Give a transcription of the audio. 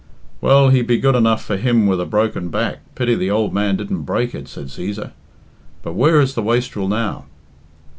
"Well, he'd be good enough for him with a broken back pity the ould man didn't break it," said Cæsar. "But where is the wastrel now?"